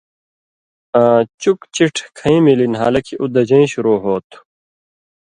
آں چُک چِٹھ کھَیں ملی نھالہ کھیں اُو دژَیں شروع ہوتُھو۔